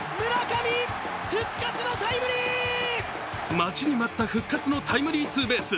待ちに待った復活のタイムリーツーベース。